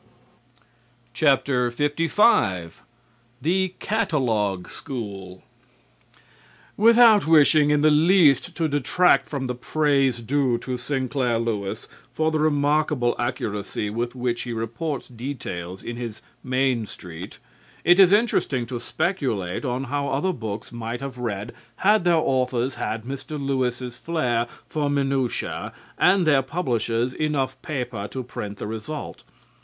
LV THE CATALOGUE SCHOOL Without wishing in the least to detract from the praise due to Sinclair Lewis for the remarkable accuracy with which he reports details in his "Main Street," it is interesting to speculate on how other books might have read had their authors had Mr. Lewis's flair for minutiae and their publishers enough paper to print the result.